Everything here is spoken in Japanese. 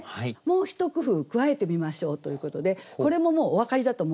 もう一工夫加えてみましょうということでこれももうお分かりだと思うんですね。